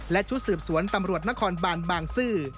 และชุดสืบสวนตำรวจนครบานบางซื่อ